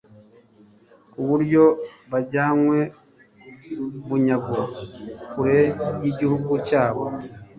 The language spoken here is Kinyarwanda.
ku buryo bajyanywe bunyago kure y'igihugu cyabo